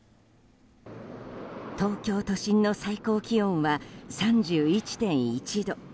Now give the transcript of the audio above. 東京都心の最高気温は３１．１度。